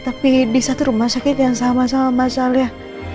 tapi di satu rumah sakit yang sama sama masalahnya